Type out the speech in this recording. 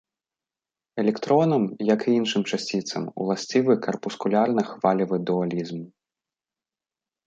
Электронам, як і іншым часціцам, уласцівы карпускулярна-хвалевы дуалізм.